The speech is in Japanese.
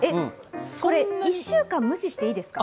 これ１週間無視していいですか？